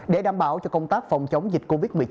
để đảm bảo cho công tác phòng chống dịch covid một mươi chín